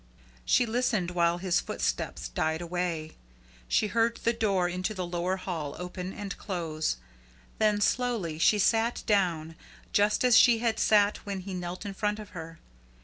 She listened while his footsteps died away. She heard the door into the lower hall open and close. Then slowly she sat down just as she had sat when he knelt in front of her.